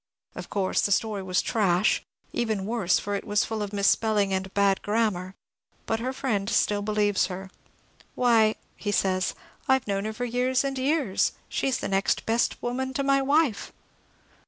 Of course the story was trash, — even worse, for it was full of mispelling and bad grammar : but her friend still believes her. *^ Why," he says, *•*' I 've known her for years and years ; she 's the next best ioman to my wife."